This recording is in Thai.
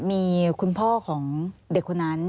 มีคุณพ่อของเด็กคนนั้น